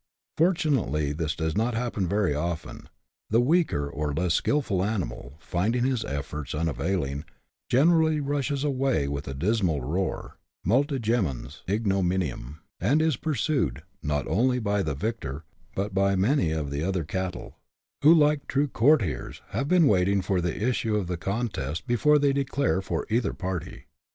Fortunately this does not happen very often : the weaker or less skilful animal, finding his efforts unavailing, generally rushes away with a dismal roar, " multa gemens ignominiam^'' and is pursued, not only by the victor, but by many of the other cattle, who, like true courtiers, have been waiting for the issue of the contest before they declare for either party.